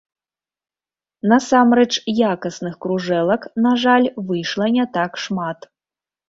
Насамрэч якасных кружэлак, на жаль, выйшла не так шмат.